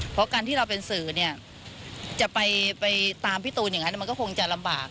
เพราะการที่เราเป็นสื่อเนี่ยจะไปตามพี่ตูนอย่างนั้นมันก็คงจะลำบาก